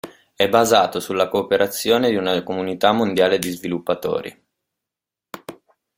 È basato sulla cooperazione di una comunità mondiale di sviluppatori.